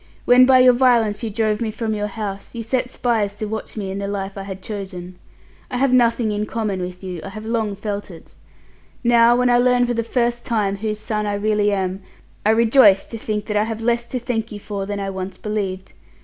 When by your violence you drove me from your house, you set spies to watch me in the life I had chosen. I have nothing in common with you. I have long felt it. Now when I learn for the first time whose son I really am, I rejoice to think that I have less to thank you for than I once believed.